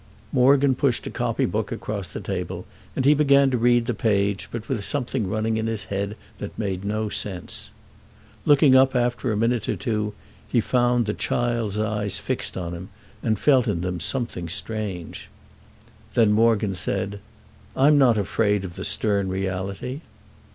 Morgan pushed a copybook across the table, and he began to read the page, but with something running in his head that made it no sense. Looking up after a minute or two he found the child's eyes fixed on him and felt in them something strange. Then Morgan said: "I'm not afraid of the stern reality."